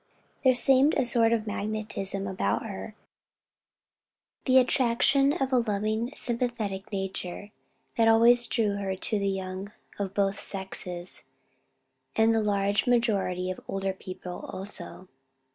There seemed a sort of magnetism about her, the attraction of a loving, sympathetic nature, that always drew to her the young of both sexes, and the large majority of older people also.